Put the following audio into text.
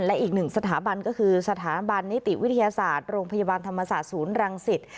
และอีกหนึ่งสถาบันก็คือสถาบันนิติวิทยาศาสตร์โรงพยาบาลธรรมศาสตร์ศูนย์รังสิต